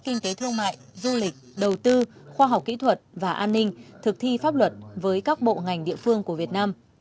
kinh tế thương mại du lịch đầu tư khoa học kỹ thuật và an ninh thực thi pháp luật với các bộ ngành địa phương của việt nam